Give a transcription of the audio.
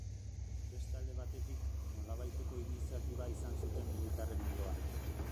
Beste alde batetik, nolabaiteko iniziatiba izan zuten militarren ondoan.